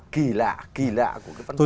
kỳ lạ kỳ lạ của cái văn hóa